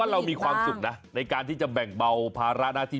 เรามีความสุขนะในการที่จะแบ่งเบาภาระหน้าที่